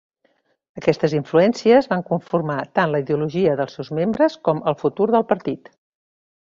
Aquestes influències van conformar tant la ideologia dels seus membres com el futur del partit.